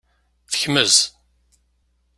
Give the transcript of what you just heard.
Tekmez.